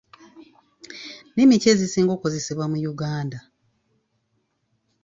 Nnimi ki ezisinga okukozesebwa mu Uganda?